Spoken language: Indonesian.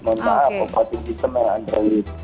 mohon maaf pokoknya itu dikirim oleh android